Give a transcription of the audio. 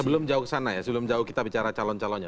sebelum jauh ke sana ya sebelum jauh kita bicara calon calonnya